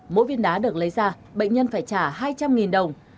mỗi viên ná được lấy ra bệnh nhân phải trả hai trăm linh đồng